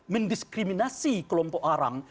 mendiskriminasi kelompok orang